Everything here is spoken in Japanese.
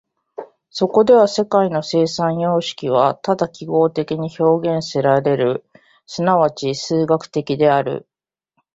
そこでは世界の生産様式はただ記号的に表現せられる、即ち数学的である。